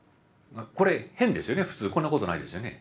これ変ですよね普通こんなことないですよね。